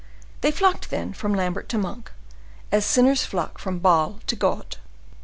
They flocked, then, from Lambert to Monk, as sinners flock from Baal to God.